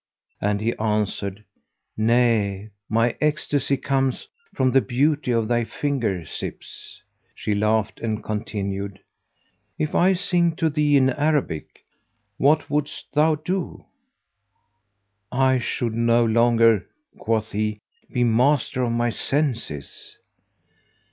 and he answered, "Nay, my ecstasy cometh from the beauty of thy finger tips." She laughed and continued, "If I sing to thee in Arabic what wouldst thou do?" "I should no longer," quoth he, "be master of my senses."